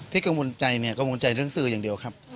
กังวลใจเนี่ยกังวลใจเรื่องสื่ออย่างเดียวครับ